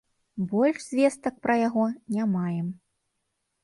Больш звестак пра яго не маем.